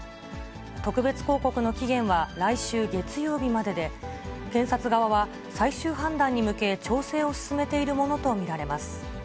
特別抗告の期限は来週月曜日までで、検察側は最終判断に向け、調整を進めているものと見られます。